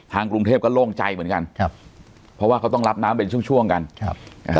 กรุงเทพก็โล่งใจเหมือนกันครับเพราะว่าเขาต้องรับน้ำเป็นช่วงช่วงกันครับอ่า